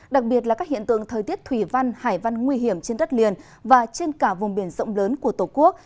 đặc biệt là các hiện tượng thời tiết thủy văn hải văn nguy hiểm trên đất liền và trên cả vùng biển rộng lớn của tổ quốc